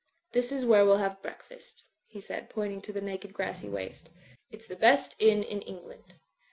*'This is where we'll have breakfast," he said, point ing to the naked grassy waste. "It's the best inn in England.